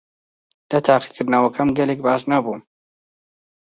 لە تاقیکردنەوەکەم گەلێک باش نەبووم.